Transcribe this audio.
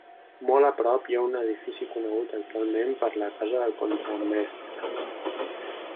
Molt a prop hi ha un edifici, conegut actualment per la casa del contramestre.